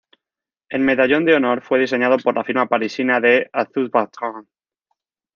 El medallón de honor fue diseñado por la firma parisina de Arthus-Bertrand.